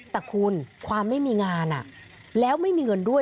แต่คุณความไม่มีงานแล้วไม่มีเงินด้วย